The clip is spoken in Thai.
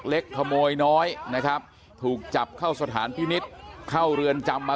เล็กขโมยน้อยนะครับถูกจับเข้าสถานพินิษฐ์เข้าเรือนจำมา